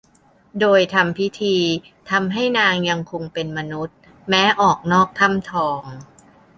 โดยทำพิธีทำให้นางยังคงเป็มมนุษย์แม้ออกนอกถ้ำทอง